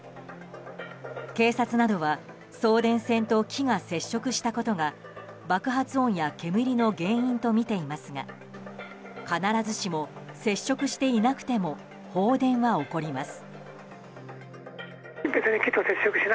警察などは送電線と木が接触したことが爆発音や煙の原因とみていますが必ずしも接触していなくても放電は起こります。